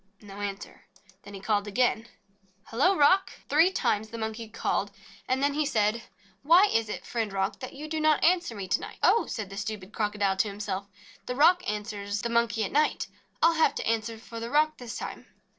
No answer. Then he called again : "Hello, Rock !" Three times the Monkey called, and then he said: 7 JATAKA TALES "Why is it, Friend Rock, that you do not answer me to night ?" "Oh," said the stupid Crocodile to himself, "the rock answers the Monkey at night. I'll have to an swer for the rock this time."